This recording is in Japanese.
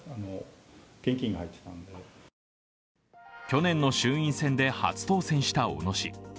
去年の衆院選で初当選した小野氏。